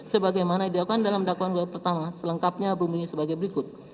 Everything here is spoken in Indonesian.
sebagaimana didakukan dalam dakwaan dua pertama selengkapnya bermulanya sebagai berikut